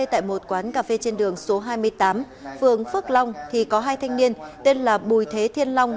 tại một quán cà phê trên đường số hai mươi tám phường phước long thì có hai thanh niên tên là bùi thế thiên long